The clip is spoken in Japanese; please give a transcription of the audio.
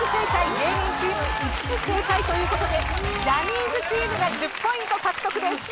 芸人チーム５つ正解という事でジャニーズチームが１０ポイント獲得です。